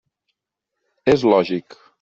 És lògic.